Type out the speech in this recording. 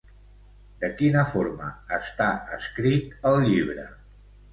De quina forma està escrit el llibre?